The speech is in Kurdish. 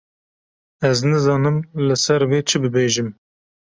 Ez nizanim li ser vê çi bibêjim.